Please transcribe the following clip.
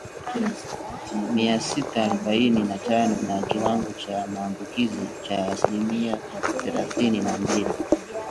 mia sita arobaini na tano na kiwango cha maambukizi cha asilimia thelathini na mbili